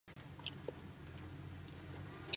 En la actualidad cuenta con un maestro titular.